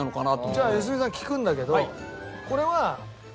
じゃあ良純さん聞くんだけどこれは。